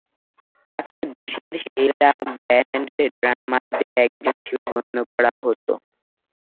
তাকে দেশের সেরা ব্যান্ড ড্রামার দের একজন হিসেবে গণ্য করা হত।